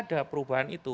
tidak ada perubahan itu